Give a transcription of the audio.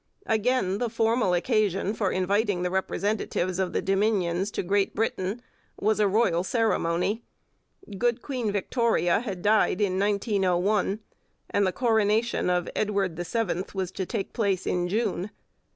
Again the formal occasion for inviting the representatives of the Dominions to Great Britain was a royal ceremony. Good Queen Victoria had died in 1901, and the coronation of Edward the Seventh was to take place in June.